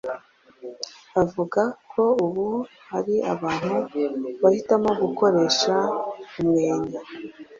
avuga ko ubu hari abantu bahitamo gukoresha umwenya